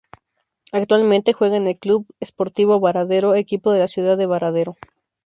Actualmente juega en Club Sportivo Baradero, equipo de la ciudad de Baradero.